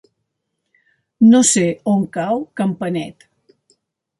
No sé on cau Campanet.